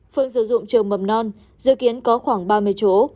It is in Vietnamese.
phương sử dụng trường mầm non dự kiến có khoảng ba mươi chỗ